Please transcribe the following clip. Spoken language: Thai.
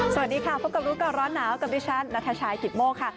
สวัสดีค่ะพบกับรู้ก่อนร้อนหนาวกับดิฉันนัทชายกิตโมกค่ะ